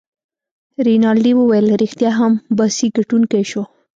رینالډي وویل: ريښتیا هم، باسي ګټونکی شو.